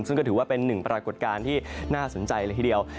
ซึ่งก็ถือว่าเป็นหนึ่งปรากฏการณ์ที่น่าสนใจเลยทีเดียว